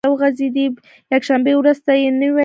یکشنبې ورځې ته یو نۍ وایی